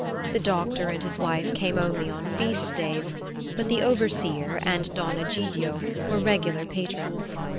The doctor and his wife came only on feast days, but the overseer and Don Egidio were regular patrons.